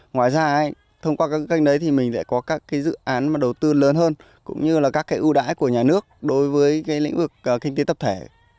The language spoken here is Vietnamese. ngoài ra thông qua các kênh đấy thì mình lại có các cái dự án mà đầu tư lớn hơn cũng như là các cái ưu đãi của nhà nước đối với cái lĩnh vực kinh tế tập thể